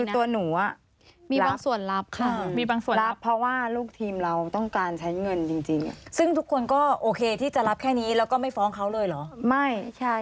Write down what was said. ถ้ารับฟ้องทั้งแพงและอายา